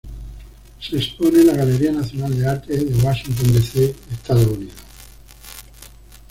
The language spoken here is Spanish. Se expone en la Galería Nacional de Arte, Washington D. C., Estados Unidos.